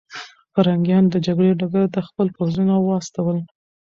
پرنګیان د جګړې ډګر ته خپل پوځونه واستول.